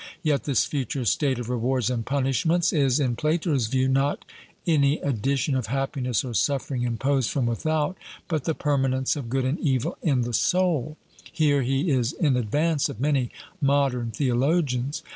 Yet this future state of rewards and punishments is in Plato's view not any addition of happiness or suffering imposed from without, but the permanence of good and evil in the soul: here he is in advance of many modern theologians.